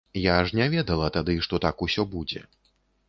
Я ж не ведала тады, што так усё будзе.